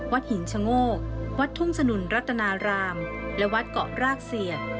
หินชะโงกวัดทุ่งสนุนรัตนารามและวัดเกาะรากเสียด